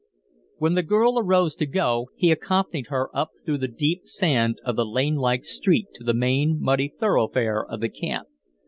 When the girl arose to go, he accompanied her up through the deep sand of the lane like street to the main, muddy thoroughfare of the camp.